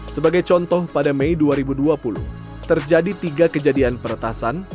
sebagai contoh pada mei dua ribu dua puluh terjadi tiga kejadian peretasan